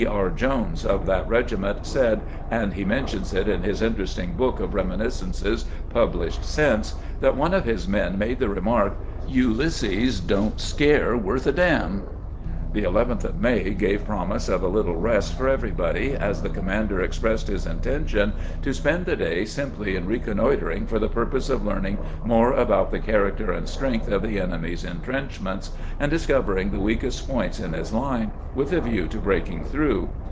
R. Jones of that regiment said, and he mentions it in his interesting book of reminiscences published since, that one of his men made the remark: "Ulysses don't scare worth a d — n." The 11th of May gave promise of a little rest for everybody, as the commander expressed his intention to spend the day simply in reconnoitering for the pur pose of learning more about the character and strength of the enemy's intrenchments, and discovering the weakest points in his line, with a view to breaking through.